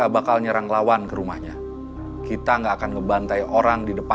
biar langsung beres